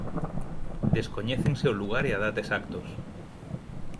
Descoñécense o lugar e a data exactos.